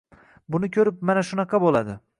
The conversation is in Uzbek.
Buni koʻrib mana shunaqa boʻladi.